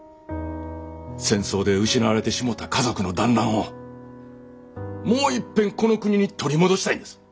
戦争で失われてしもた家族の団らんをもういっぺんこの国に取り戻したいんです。